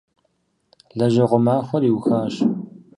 Лэжьэгъуэ махуэр иухащ.